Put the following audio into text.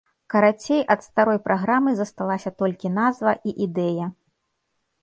Карацей, ад старой праграмы засталася толькі назва і ідэя.